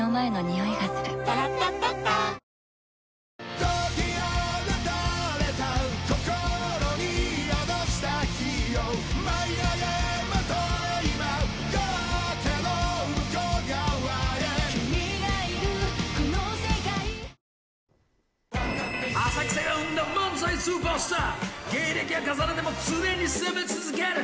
ＮＯ．１浅草が生んだ漫才スーパースター芸歴を重ねても常に攻め続ける。